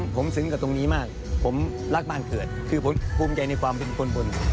ผมซึ้งกับตรงนี้มากผมรักบ้านเกิดคือผมภูมิใจในความเป็นคนบน